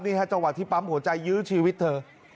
จังหวะที่ปั๊มหัวใจยื้อชีวิตเธอ